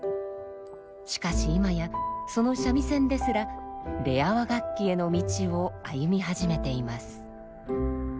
しかし今やその三味線ですらレア和楽器への道を歩み始めています。